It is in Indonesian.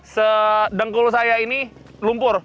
sedengkul saya ini lumpur